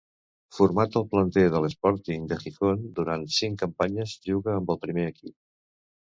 Format al planter de l'Sporting de Gijón, durant cinc campanyes juga amb el primer equip.